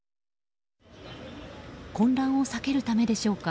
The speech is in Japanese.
混乱を避けるためでしょうか。